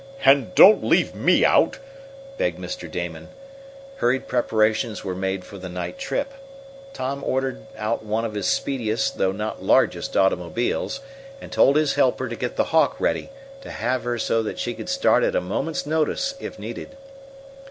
"And don't leave me out!" begged Mr. Damon. Hurried preparations were made for the night trip. Tom ordered out one of his speediest, though not largest, automobiles, and told his helper to get the Hawk ready, to have her so she could start at a moment's notice if needed.